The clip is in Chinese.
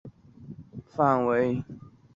这就意味着推力应达到以上的范围。